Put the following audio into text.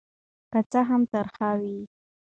که څه هم ترخه وي.